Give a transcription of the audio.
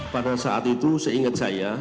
pada saat itu seingat saya